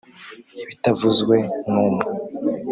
Ibitavuzwe numwe.